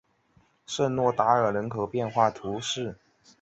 圣若达尔人口变化图示